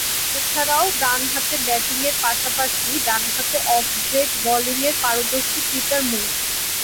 এছাড়াও, ডানহাতে ব্যাটিংয়ের পাশাপাশি ডানহাতে অফ ব্রেক বোলিংয়ে পারদর্শী পিটার মুর।